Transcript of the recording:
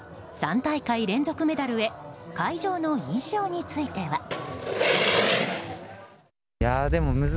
３大会連続メダルへ会場の印象については。